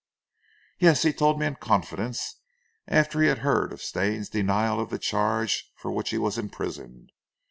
"Yes, he told me in confidence, after he had heard of Stane's denial of the charge for which he was imprisoned.